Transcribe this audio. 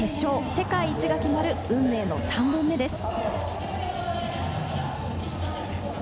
世界一が決まる運命の３本目です。